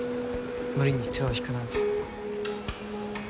無理に手を引くなんて。